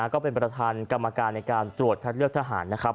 ก็เป็นประธานกรรมการในการตรวจคัดเลือกทหารนะครับ